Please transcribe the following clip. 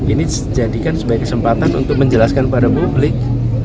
ini dijadikan sebagai kesempatan untuk menjelaskan pada publik